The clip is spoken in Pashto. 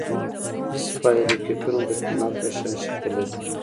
اسپایروکیټونه د فنر په شان شکل لري.